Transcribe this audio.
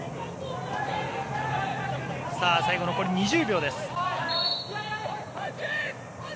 最後残り２０秒です。